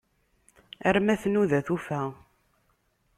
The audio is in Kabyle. Arma tnuda tufa.